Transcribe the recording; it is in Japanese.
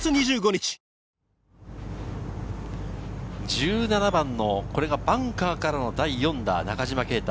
１７番のバンカーからの第４打、中島啓太。